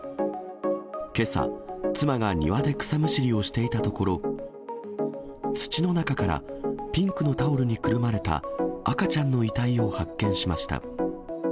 けさ、妻が庭で草むしりをしていたところ、土の中からピンクのタオルにくるまれた赤ちゃんの遺体を発見しました。